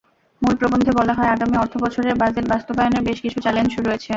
মূল প্রবন্ধে বলা হয়, আগামী অর্থবছরের বাজেট বাস্তবায়নের বেশ কিছু চ্যালেঞ্জ রয়েছে।